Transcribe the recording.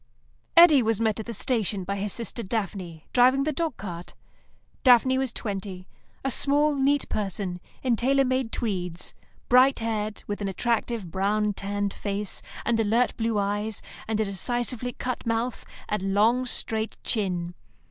Eddy was met at the station by his sister Daphne, driving the dog cart. Daphne was twenty; a small, neat person in tailor made tweeds, bright haired, with an attractive brown tanned face, and alert blue eyes, and a decisively cut mouth, and long, straight chin.